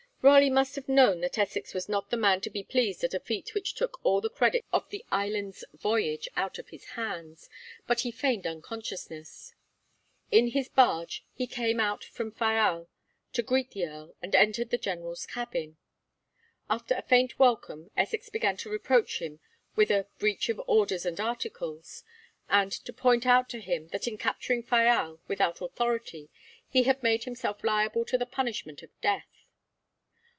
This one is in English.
Raleigh must have known that Essex was not the man to be pleased at a feat which took all the credit of the Islands Voyage out of his hands; but he feigned unconsciousness. In his barge he came out from Fayal to greet the Earl, and entered the General's cabin. After a faint welcome, Essex began to reproach him with 'a breach of Orders and Articles,' and to point out to him that in capturing Fayal without authority he had made himself liable to the punishment of death.